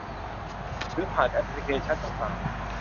หรือผ่านแอปพลิเคชันต่างต่าง